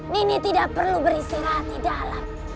nini tidak perlu beristirahat di dalam